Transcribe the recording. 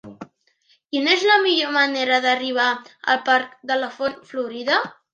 Quina és la millor manera d'arribar al parc de la Font Florida?